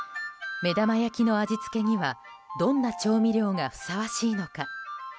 目玉焼きの味付けにはどんな調味料がふさわしいのか。